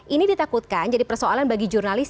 ini ditakutkan jadi persoalan bagi jurnalis